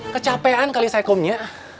kecapean kali saya komnya